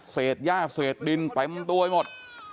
เศษย่าเศษดินแปมตัวไปหมด